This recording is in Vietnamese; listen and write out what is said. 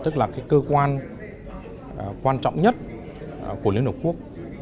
cơ quan quan trọng nhất của liên hợp quốc